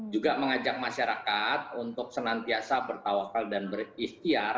juga mengajak masyarakat untuk senantiasa bertawakal dan berikhtiar